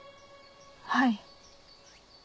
はい。